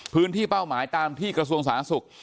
เป้าหมายตามที่กระทรวงสาธารณสุข